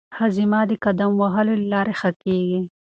هاضمه د قدم وهلو له لارې ښه کېږي.